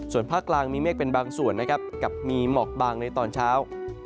ส่วนภาคกลางมีเมฆเป็นบางส่วนนะครับกับมีหมอกบางในตอนเช้า